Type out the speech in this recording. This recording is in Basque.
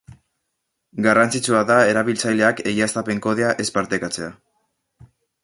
Garrantzitsua da erabiltzaileak egiaztapen-kodea ez partekatzea.